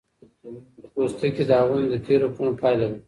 د پوستکي داغونه د تېرو کړنو پایله ده.